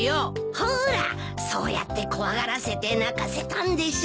ほらそうやって怖がらせて泣かせたんでしょ。